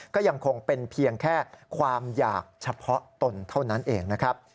ก็ยังคงเป็นเพียงแค่ความอยากเฉพาะตนเท่านั้นเองนะครับ